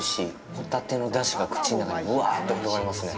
ホタテの出汁が口の中にぶわっと広がりますね。